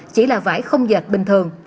chỉ là vải không dệt bình thường